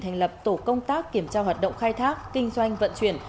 thành lập tổ công tác kiểm tra hoạt động khai thác kinh doanh vận chuyển